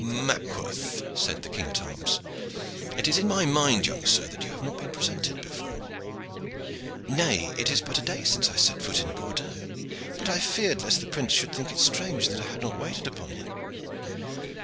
"Mackworth!" said the king at arms. "It is in my mind, young sir, that you have not been presented before." "Nay, it is but a day since I set foot in Bordeaux, but I feared lest the prince should think it strange that I had not waited upon him."